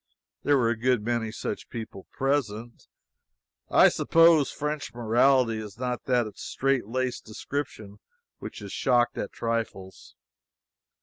There were a good many such people present. I suppose French morality is not of that straight laced description which is shocked at trifles.